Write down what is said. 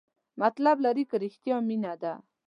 مطلب لري که رښتیا مینه ده؟